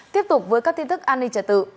tiếp tục với các tin tức an ninh trật tự